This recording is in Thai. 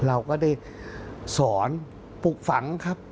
เราก็ได้สอนปลูกฝังครับ